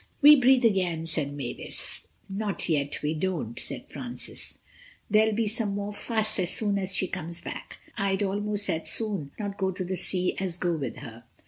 "We breathe again," said Mavis. "Not yet we don't," said Francis, "there'll be some more fuss as soon as she comes back. I'd almost as soon not go to the sea as go with her."